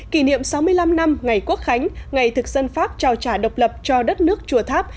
kỷ niệm sáu mươi năm năm ngày quốc khánh ngày thực dân pháp trao trả độc lập cho đất nước chùa tháp